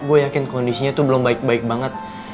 gue yakin kondisinya tuh belum baik baik banget